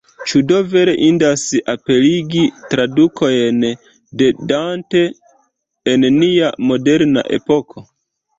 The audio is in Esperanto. Ĉu do vere indas aperigi tradukojn de Dante en nia moderna epoko?